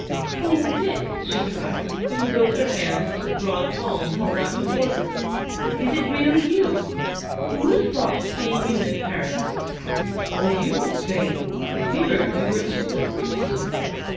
" Oh, Dick," she cried, putting both her hands into the broad palm held out before her, " is it really you ? Who would have thought of seeing you in Paris ?"" Or you, Miss Vane ? We heard you were at school at Brixton."